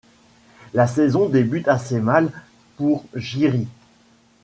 La saison débute assez mal pour Jiri.